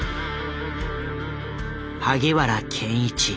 萩原健一